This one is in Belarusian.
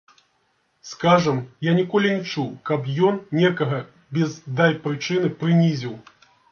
Скажам, я ніколі не чуў, каб ён некага без дай прычыны прынізіў.